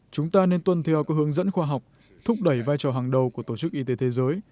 chúng ta nên tuân theo các hướng dẫn khoa học thúc đẩy vai trò hàng đầu của tổ chức y tế thế giới